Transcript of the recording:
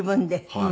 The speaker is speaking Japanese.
はい。